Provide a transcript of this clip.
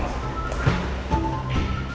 gue mau nanya sesuatu sama lo